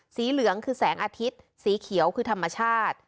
เหลืองคือแสงอาทิตย์สีเขียวคือธรรมชาติ